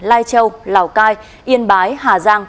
lai châu lào cai yên bái hà giang